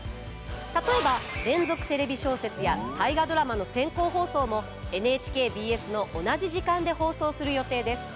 例えば「連続テレビ小説」や「大河ドラマ」の先行放送もＮＨＫＢＳの同じ時間で放送する予定です。